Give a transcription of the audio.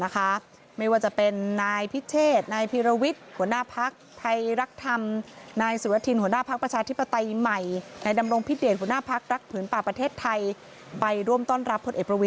ขอปิดการประชุมครับ